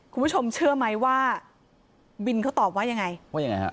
คุณผู้ชมเชื่อไหมว่าบินเขาตอบว่ายังไงว่ายังไงฮะ